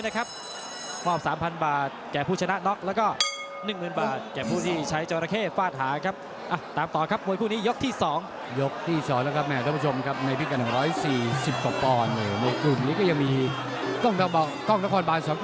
เข้ากลางหลังโอโรโน่เต็มหลังเลยครับ